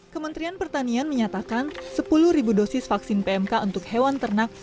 kementerian pertanian menyatakan sepuluh dosis vaksin pmk untuk hewan ternak